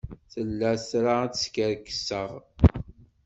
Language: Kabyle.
Tella tra ad skerkseɣ.